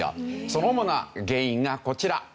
その主な原因がこちら。